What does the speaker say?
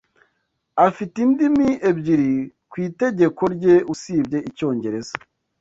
Afite indimi ebyiri ku itegeko rye usibye Icyongereza.